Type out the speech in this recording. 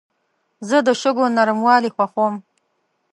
زه د شګو نرموالي خوښوم.